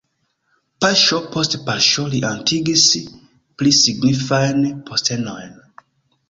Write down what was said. Paŝo post paŝo li atingis pli signifajn postenojn.